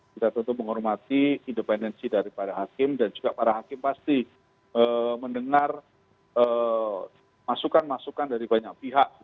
kita tentu menghormati independensi dari para hakim dan juga para hakim pasti mendengar masukan masukan dari banyak pihak